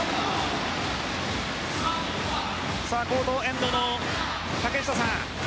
コートエンドの竹下さん。